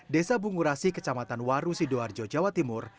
desa bungurasi kecamatan waru sidoarjo jawa timur